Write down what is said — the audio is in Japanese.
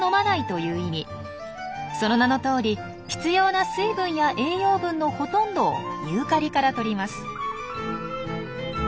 その名のとおり必要な水分や栄養分のほとんどをユーカリからとります。